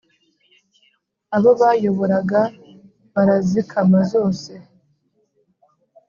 abo bayoboraga barazikama zose